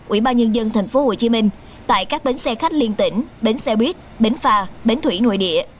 ủy ban nhân dân tp hcm tại các bến xe khách liên tỉnh bến xe buýt bến phà bến thủy nội địa